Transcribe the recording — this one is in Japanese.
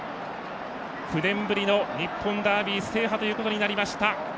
９年ぶりの日本ダービー制覇ということになりました。